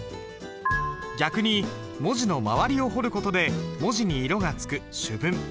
逆に文字の周りを彫る事で文字に色がつく朱文。